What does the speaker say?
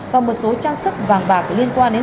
và một số trang sức vàng bạc liên quan đến